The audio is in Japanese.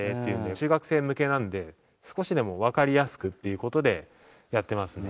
中学生向けなので少しでもわかりやすくっていう事でやってますね。